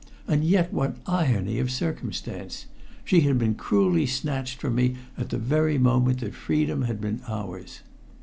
And yet what irony of circumstance! She had been cruelly snatched from me at the very moment that freedom had been ours.